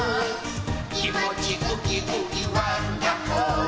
「きもちウキウキワンダホー」